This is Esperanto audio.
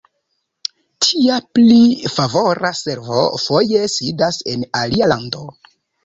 Tia pli favora servo foje sidas en alia lando.